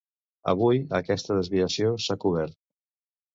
Avui, aquesta desviació, s'ha cobert.